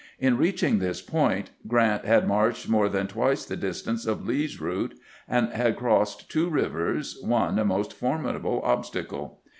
In reaching this point, Grant had marched more than twice the distance of Lee's route, and had crossed two rivers, one a most formidable obstacle.